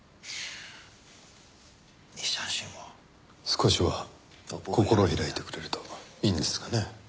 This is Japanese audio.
少しは心を開いてくれるといいんですがね。